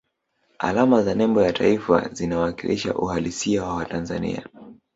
alama za nembo ya taifa zinawakilisha uhalisia wa watanzania